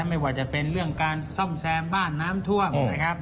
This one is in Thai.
ไม่ว่าจะเป็นเรื่องการซ่อมแซมบ้านน้ำท่วมนะครับ